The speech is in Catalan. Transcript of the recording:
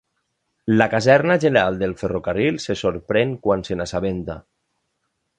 La caserna general del ferrocarril se sorprèn quan se'n assabenta.